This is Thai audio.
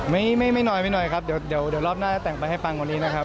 ไม่นอยครับเดี๋ยวรอบหน้าแต่งไปให้ปังวันนี้นะครับ